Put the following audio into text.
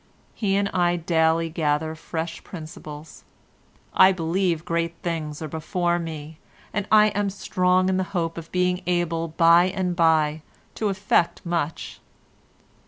He and I daily gather fresh principles. I believe great things are before me, and am strong in the hope of being able by and by to effect much.